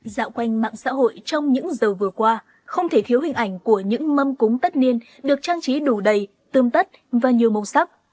dạo quanh mạng xã hội trong những giờ vừa qua không thể thiếu hình ảnh của những mâm cúng tất niên được trang trí đủ đầy tươm tất và nhiều màu sắc